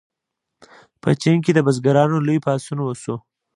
په چین کې د بزګرانو لوی پاڅون وشو.